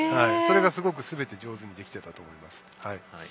それが、すべて上手にできていたと思います。